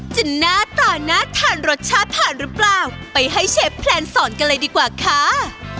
จะน่าตานะทานรสชาติผ่านรึเปล่าไปให้เชฟพันธุ์ศรกันเลยดีกว่าค้า